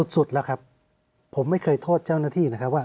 สุดแล้วครับผมไม่เคยโทษเจ้าหน้าที่นะครับว่า